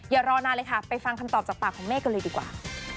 อย่ารอนานเลยค่ะไปฟังคำตอบจากปากของเมฆกันเลยดีกว่า